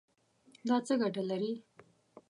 دا څه ګټه لري؟